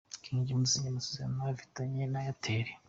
King James asinya amasezerano afitanye na Airtel.